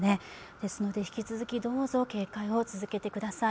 ですので引き続き警戒を続けてください。